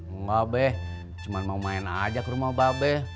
enggak be cuma mau main aja ke rumah ba be